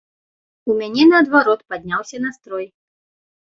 У мяне наадварот падняўся настрой.